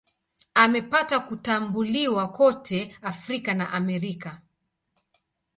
Amepata kutambuliwa kote Afrika na Amerika.